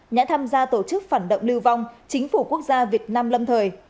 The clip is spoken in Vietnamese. đã tham gia tổ chức phản động lưu vong chính phủ quốc gia việt nam lâm thời